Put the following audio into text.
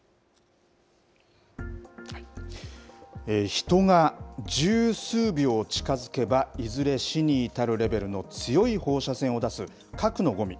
人が十数秒近づけばいずれ死に至るレベルの強い放射線を出す核のごみ。